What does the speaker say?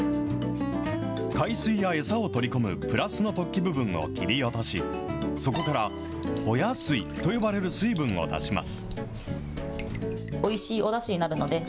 海水や餌を取り込むプラスの突起部分を切り落とし、そこからほや水と呼ばれる水分を出します。